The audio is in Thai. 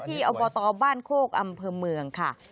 อบตบ้านโคกอำเภอเมืองค่ะ